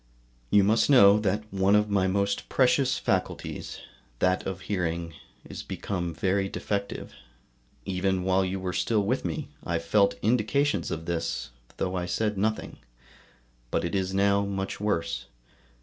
You must know that one of my most precious faculties, that of hearing, is become very defective; even while you were still with me I felt indications of this, though I said nothing; but it is now much worse.